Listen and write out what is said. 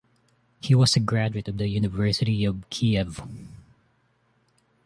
He was a graduate of the University of Kiev.